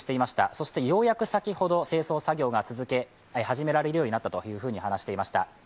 そしてようやく先ほど清掃作業が始められるようになったと話していました。